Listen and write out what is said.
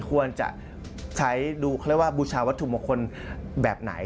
ควรจะใช้ดูว่าบูชาวัตถุมควรแบบไหน